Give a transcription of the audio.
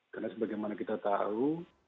karena sebagaimana kita tahu